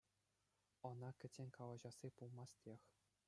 Ӑна кӗтсен, калаҫасси пулмастех.